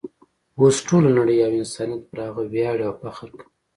اوس ټوله نړۍ او انسانیت پر هغه ویاړي او فخر کوي.